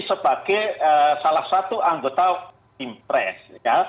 sebagai salah satu anggota one team press